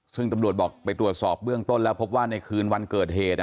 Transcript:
ซึ่งตำรวจบอกไปตรวจสอบเบื้องต้นแล้วพบว่าในคืนวันเกิดเหตุ